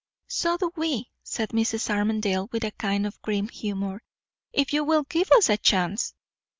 "So do we," said Mrs. Armadale, with a kind of grim humour, "if you will give us a chance."